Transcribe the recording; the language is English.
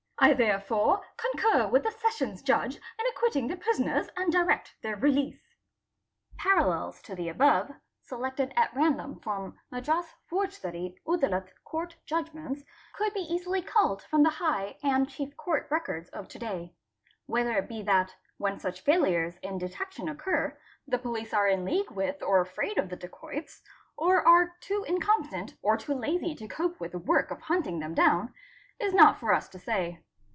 I therefore concur with the Sessions Judge in acquitting the prisoners anc direct their release." "ish Parallels to the above, selected at random from Madras Foujda: et Udalut Court Judgments, could be easily culled from the High and Chief ~ DACOITY 757 Court records of to day. Whether it be that, when such failures in detection occur, the police are in league with or afraid of the dacoits, or are too incompetent or too lazy to cope with the work of hunting them down, is not for us to say.